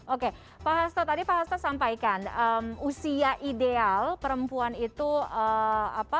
oke pak hasto tadi pak hasto sampaikan usia ideal perempuan itu apa